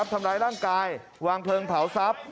ทำร้ายร่างกายวางเพลิงเผาทรัพย์